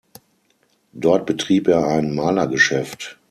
Dort betrieb er ein Malergeschäft.